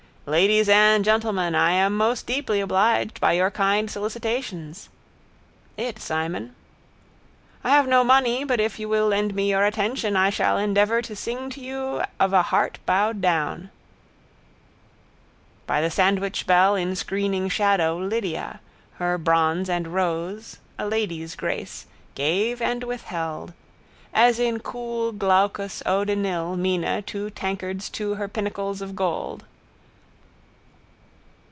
—Ladies and gentlemen, I am most deeply obliged by your kind solicitations. —It, Simon. —I have no money but if you will lend me your attention I shall endeavour to sing to you of a heart bowed down. By the sandwichbell in screening shadow Lydia, her bronze and rose, a lady's grace, gave and withheld: as in cool glaucous eau de Nil Mina to tankards two her pinnacles of gold.